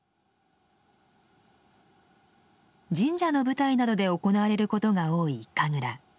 神社の舞台などで行われることが多い神楽。